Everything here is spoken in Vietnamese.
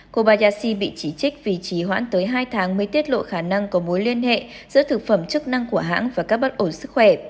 kobayashi bị chỉ trích vì chỉ hoãn tới hai tháng mới tiết lộ khả năng có mối liên hệ giữa thực phẩm chức năng của hãng và các bất ổn sức khỏe